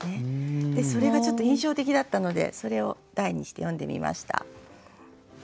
それがちょっと印象的だったのでそれを題にして詠んでみました。